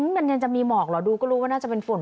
มันยังจะมีหมอกเหรอดูก็รู้ว่าน่าจะเป็นฝุ่น